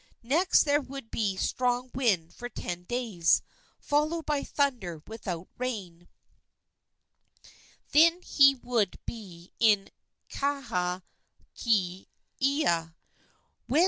Next, there would be strong wind for ten days, followed by thunder without rain; then he would be in Kahakaekaea.